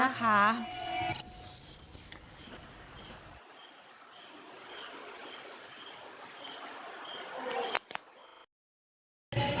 เรื่องแบบนี้คือต้องเตือนกันดีไหม